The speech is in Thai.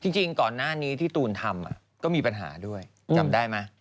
จริงก่อนหน้านี้ที่ตูนทำก็มีปัญหาด้วยจำได้ไหม